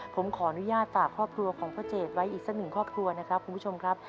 ผมขออนุญาตฝากครอบครัวของพ่อเจดไว้อีกท่านหนึ่งครอบครัวนะครับ